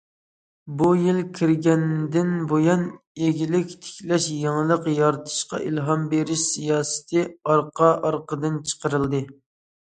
بۇ يىل كىرگەندىن بۇيان، ئىگىلىك تىكلەش، يېڭىلىق يارىتىشقا ئىلھام بېرىش سىياسىتى ئارقا ئارقىدىن چىقىرىلدى.